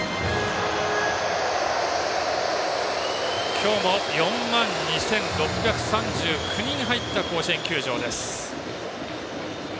今日も４万２６３９人入った甲子園球場です。